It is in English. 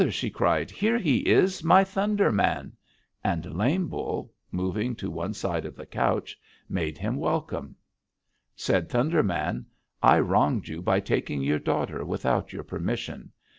she cried; 'here he is, my Thunder Man!' And Lame Bull, moving to one side of the couch, made him welcome. "Said Thunder Man: 'I wronged you by taking your daughter without your permission.